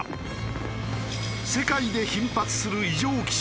世界で頻発する異常気象。